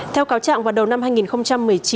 theo cáo trạng vào đầu năm hai nghìn một mươi chín